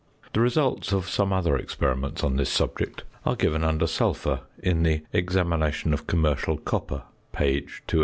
The results of some other experiments on this subject are given under "sulphur" in the "examination of commercial copper," page 207.